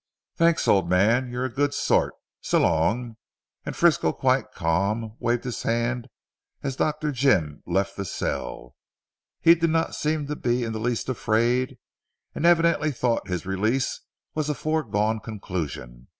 "Thanks old man. You're a good sort. So long," and Frisco quite calm waved his hand as Dr. Jim left the cell. He did not seem to be in the least afraid, and evidently thought his release was a foregone conclusion.